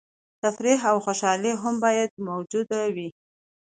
تفریح او خوشحالي هم باید موجوده وي.